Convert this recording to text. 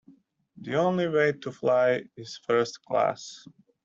The only way to fly is first class